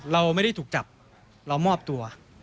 เราไม่ได้ถูกจับเรามอบตัว